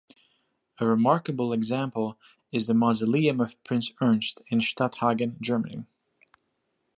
A remarkable example is the Mausoleum of Prince Ernst in Stadthagen, Germany.